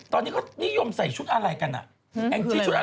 ตอนนี้ก็นิยมใส่ชุดอะไรกัน